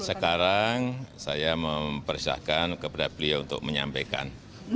sekarang saya mempersilahkan kepada beliau untuk menyampaikan